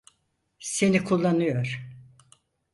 Seni kullanıyor.